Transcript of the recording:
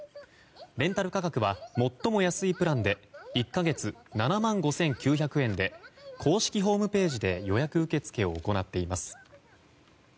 レンタル価格は最も安いプランで１か月７万５９００円で公式ホームページで予約受け付けを行っています。